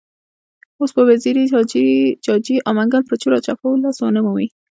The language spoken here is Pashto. اوس به وزیري، جاجي او منګل په چور او چپاول لاس ونه مومي.